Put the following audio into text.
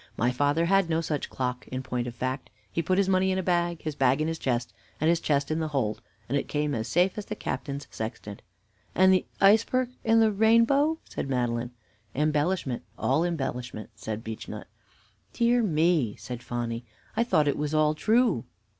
"My father had no such clock, in point of fact. He put his money in a bag, his bag in his chest, and his chest in the hold, and it came as safe as the captain's sextant." "And the iceberg and the rainbow?" said Madeline. "Embellishment, all embellishment," said Beechnut. "Dear me!" said Phonny, "I thought it was all true."